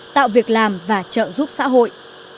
tạo việc làm và trợ giúp xã hội